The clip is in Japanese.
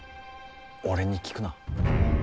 俺に聞くな。